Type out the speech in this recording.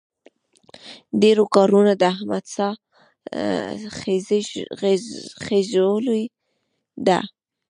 ډېرو کارونو د احمد ساه خېژولې ده.